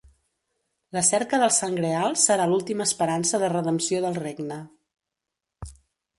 La cerca del Sant Greal serà l'última esperança de redempció del regne.